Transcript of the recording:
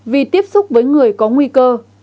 vì tiếp xúc với người có nguy cơ